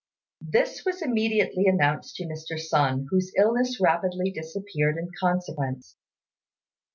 This was immediately announced to Mr. Sun, whose illness rapidly disappeared in consequence.